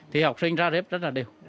thì học sinh ra rếp rất là đều